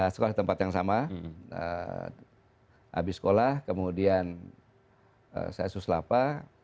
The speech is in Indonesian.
sekolah di tempat yang sama habis sekolah kemudian saya suslapa